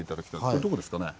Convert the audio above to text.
これどこですかね？